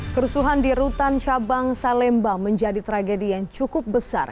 kerusuhan di rutan cabang salemba menjadi tragedi yang cukup besar